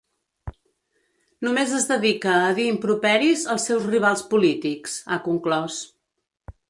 Només es dedica a dir improperis als seus rivals polítics, ha conclòs.